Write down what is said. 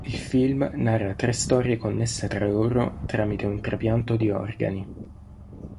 Il film narra tre storie connesse tra loro tramite un trapianto di organi.